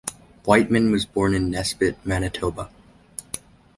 Wightman was born in Nesbitt, Manitoba.